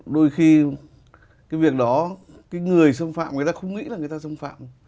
đôi khi cái việc đó cái người xâm phạm người ta không nghĩ là người ta xâm phạm